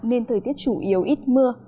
nên thời tiết chủ yếu ít mưa